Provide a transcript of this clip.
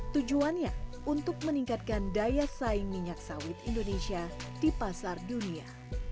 tujuannya untuk meningkatkan daya saing minyak sawit indonesia di pasar dunia